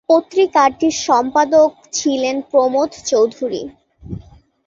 পত্রিকাটির সম্পাদক ছিলেন প্রমথ চৌধুরী।